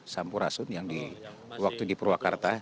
sampurasun yang waktu di purwakarta